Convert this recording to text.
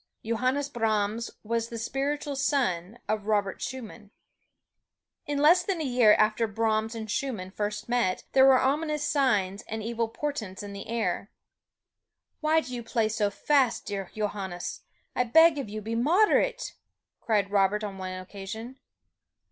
Johannes Brahms was the spiritual son of Robert Schumann. In less than a year after Brahms and Schumann first met, there were ominous signs and evil portents in the air. "Why do you play so fast, dear Johannes? I beg of you, be moderate!" cried Robert on one occasion.